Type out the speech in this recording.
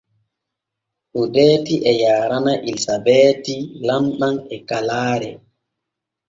Odeeti e yaarana Elisabeeti lamɗam e kalaare.